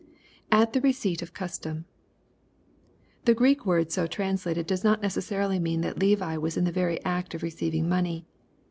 [At the receipt of custom,] The Greek word so translated does not necessarily mean that Levi was in the very act of re oeiving money.